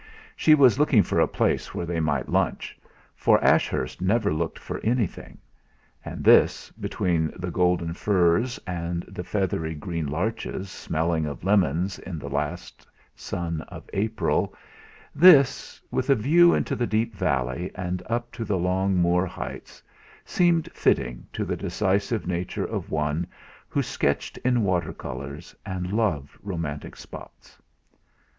She was looking for a place where they might lunch, for Ashurst never looked for anything; and this, between the golden furze and the feathery green larches smelling of lemons in the last sun of April this, with a view into the deep valley and up to the long moor heights, seemed fitting to the decisive nature of one who sketched in water colours, and loved romantic spots.